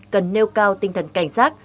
cần nêu cao tinh thần cảnh sát